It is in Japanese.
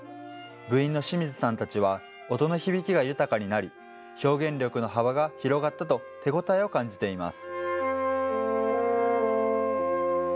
部員の清水さんたちは、音の響きが豊かになり、表現力の幅が広がったと、手応えを感じています。